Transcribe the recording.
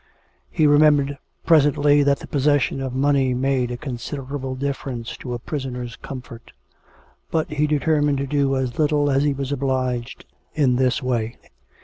... He remembered presently that the pos session of money made a considerable difference to a pris oner's comfort; but he determined to do as little as he was obliged in this way.